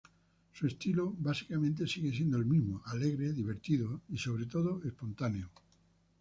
Su estilo básicamente sigue siendo el mismo: alegre, divertido, y sobre todo espontáneo.